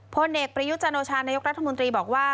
พลเอกประยุจันโอชานายกรัฐมนตรีบอกว่า